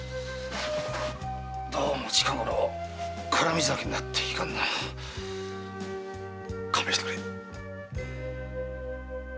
どうも近ごろ絡み酒になっていかんな勘弁してくれ。